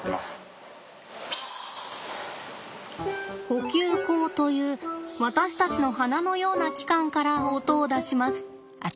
呼吸孔という私たちの鼻のような器官から音を出します。